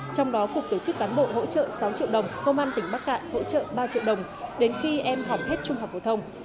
trong đó cục tổ chức cán bộ hỗ trợ sáu triệu đồng công an tỉnh bắc cạn hỗ trợ ba triệu đồng đến khi em học hết trung học phổ thông